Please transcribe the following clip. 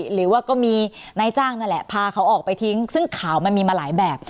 หรือว่าก็มีนายจ้างนั่นแหละพาเขาออกไปทิ้งซึ่งข่าวมันมีมาหลายแบบ